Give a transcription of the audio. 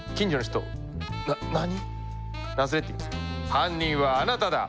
「犯人はあなただ！」。